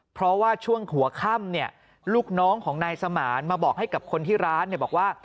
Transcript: เพราะว่าช่วงหัวค่ำลูกน้องของนายสมานมาบอกให้กับคนที่ร้านบอกว่า